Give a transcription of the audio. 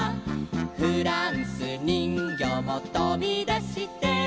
「フランスにんぎょうもとびだして」